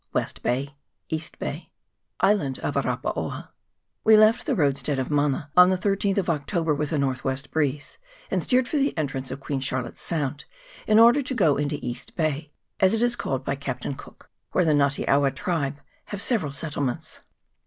West Bay. East Bay. Island of Arapaoa. WE left the roadstead of Mana on the 31st of Octo ber with a N. W. breeze, and steered for the entrance of Queen Charlotte's Sound, in order to go into East Bay, as it is called by Captain Cook, where the Nga te awa tribe have several settlements.